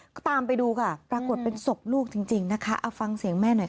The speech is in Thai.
ก็ตามไปดูค่ะปรากฏเป็นศพลูกจริงนะคะเอาฟังเสียงแม่หน่อยค่ะ